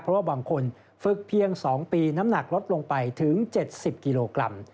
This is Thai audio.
เพราะว่าบางคนฝึกเพียง๒ปีน้ำหนักลดลงไปถึง๗๐กิโลกรัม